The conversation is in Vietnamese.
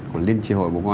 của liên chỉ hội bộ quốc hội